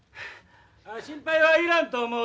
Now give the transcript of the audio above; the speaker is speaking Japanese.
心配はいらんと思うよ。